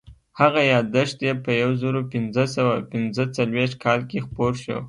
هغه یادښت یې په یو زرو پینځه سوه پینځه څلوېښت کال کې خپور شو.